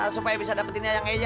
supaya bisa dapetinnya yang eya